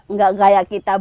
nggak kayak kita bunuh itu